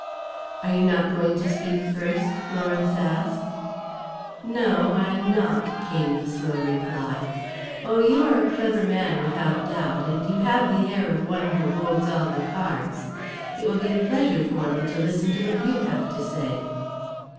"Are you not going to speak first?" Lawrence asked. "No, I am not," came the slow reply. "Oh, you are a clever man, without doubt, and you have the air of one who holds all the cards. It will be a pleasure for me to listen to what you have to say."